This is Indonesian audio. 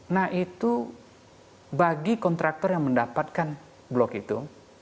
nah itu bagi kontraktor yang mendapatkan blok itu